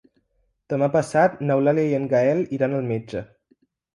Demà passat n'Eulàlia i en Gaël iran al metge.